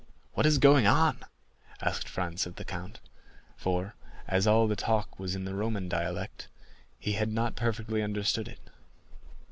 "What is going on?" asked Franz of the count; for, as all the talk was in the Roman dialect, he had not perfectly understood it.